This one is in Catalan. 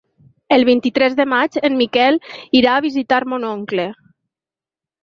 El vint-i-tres de maig en Miquel irà a visitar mon oncle.